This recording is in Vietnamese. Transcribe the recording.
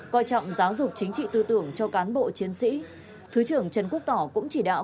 coi trọng giáo dục chính trị tư tưởng cho cán bộ chiến sĩ thứ trưởng trần quốc tỏ cũng chỉ đạo